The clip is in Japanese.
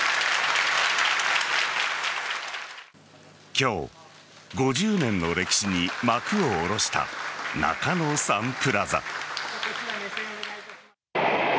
今日５０年の歴史に幕を下ろした中野サンプラザ。